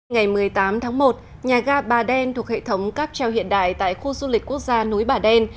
ngày một mươi tám tháng một nhà ga bà đen thuộc hệ thống cáp treo hiện đại tại khu du lịch quốc gia núi bà đen